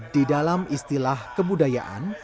di dalam istilah kebudayaan